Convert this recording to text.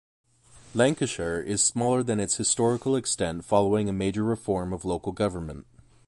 Lancashire is smaller than its historical extent following a major reform of local government.